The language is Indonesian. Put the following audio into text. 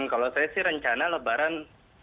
kalau saya sih rencana lebaran